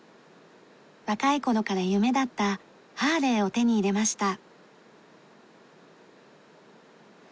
若い頃から夢だったハーレーを手に入れました。